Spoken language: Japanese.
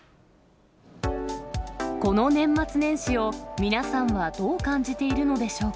この年末年始を、皆さんはどう感じているのでしょうか。